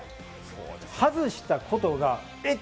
外したことが、えっ？